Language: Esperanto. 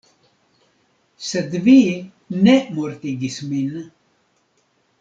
Sed vi ne mortigis min.